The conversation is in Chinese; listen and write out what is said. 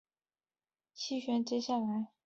气旋接下来又从圣卡洛斯附近登陆索诺拉州。